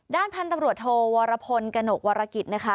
ด้านพันธุ์ตำรวจโทวรพลกระหนกวรกิจนะคะ